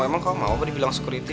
emang kamu mau apa dibilang sekuriti